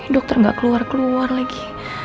dokter nggak keluar keluar lagi